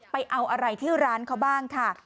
ไปเอาอะไรที่ร้านเขาบ้างค่ะ